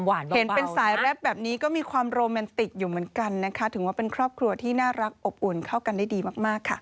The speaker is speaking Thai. อืมมีความหวานเบานะถึงว่าเป็นครอบครัวที่น่ารักอบอุ่นเข้ากันได้ดีมากค่ะ